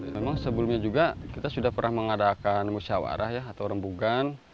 memang sebelumnya juga kita sudah pernah mengadakan musyawarah ya atau rembugan